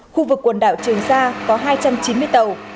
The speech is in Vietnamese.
khu vực quần đảo trường sa có hai trăm chín mươi tàu